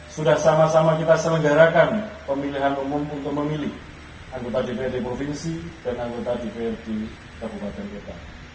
sudah sama sama kita selenggarakan pemilihan umum untuk memilih anggota dprd provinsi dan anggota dprd kabupaten kota